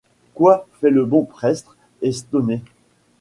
Quoi? feit le bon prebstre estonné...